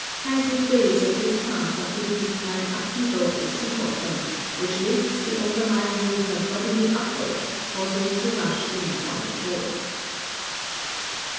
Seismic waves of this class are produced by an upheaval of the sea bottom, which lifts the overlying water bodily upward, causing it to rush in upon the shore."